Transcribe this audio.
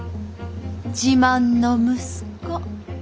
自慢の息子。